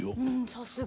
さすが。